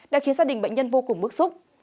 đã khiến gia đình bệnh nhân vô cùng bức xúc